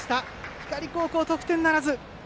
光高校は得点ならず。